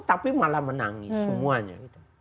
tapi malah menangis semuanya